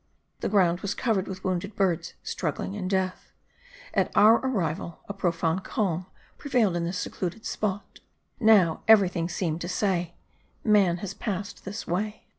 The ground was covered with wounded birds struggling in death. At our arrival a profound calm prevailed in this secluded spot; now, everything seemed to say: Man has passed this way.